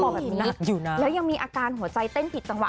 บอกแบบนี้แล้วยังมีอาการหัวใจเต้นผิดจังหว